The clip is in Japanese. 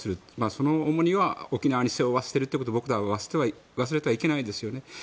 その重荷を沖縄に背負わせていることを僕らは忘れてはいけないですよね。